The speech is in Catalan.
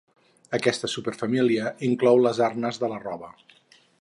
Aquesta superfamília inclou les arnes de la roba.